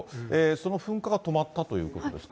その噴火が止まったということですか。